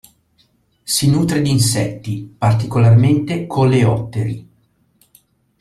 Si nutre di insetti, particolarmente coleotteri.